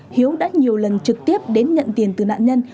hiếu đã nhiều lần trực tiếp đến nhận tiền từ nạn nhân